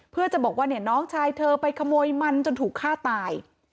เพื่อจะบอกว่าเนี่ยน้องชายเธอไปขโมยมันจนถูกฆ่าตาย